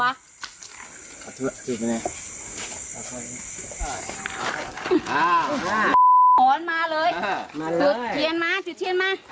เราได้